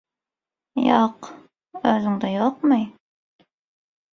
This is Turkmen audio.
– Ýok. Özüňde ýokmy?